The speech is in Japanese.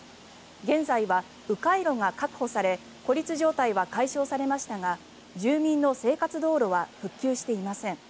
現在は迂回路が確保され孤立状態は解消されましたが住民の生活道路は復旧していません。